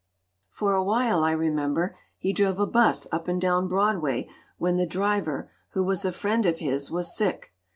"For a while, I remember, he drove a 'bus up and down Broadway when the driver, who was a friend of his, was sick.